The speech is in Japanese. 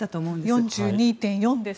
４２．４％です。